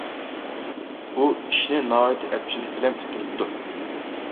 ئۇ ئىشنى ناھايىتى ئەپچىللىك بىلەن پۈتتۈرۈپتۇ.